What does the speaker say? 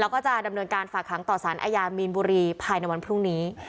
แล้วก็จะดำเนินการฝากหางต่อสารอาญามีนบุรีภายในวันพรุ่งนี้